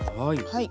はい。